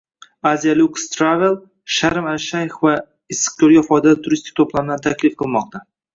Asialuxe Travel Sharm ash-Shayx va Issiqko‘lga foydali turistik to‘plamlarni taklif qilmoqda